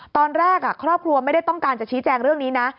ตอนแรกครอบครัวไม่ได้ต้องการจะชี้แจงเรื่องนี้นะ